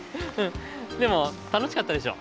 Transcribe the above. でもたのしかったでしょ？